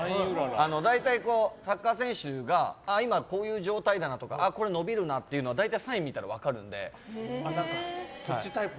大体サッカー選手が今こういう状態だなとかこれは伸びるなっていうのはサインを見たら大体分かるので。